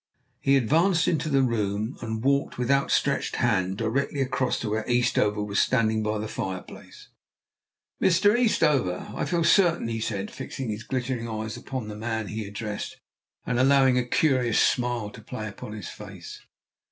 He advanced into the room and walked with out stretched hand directly across to where Eastover was standing by the fireplace. "Mr. Eastover, I feel certain," he said, fixing his glittering eyes upon the man he addressed, and allowing a curious smile to play upon his face.